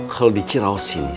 kalau di ciraus ini